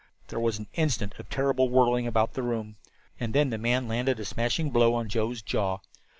There was an instant of terrible whirling about the room, and then the man landed a smashing blow on Joe's jaw.